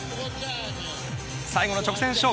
最後の直線勝負。